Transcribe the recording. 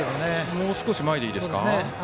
もう少し前でいいですか。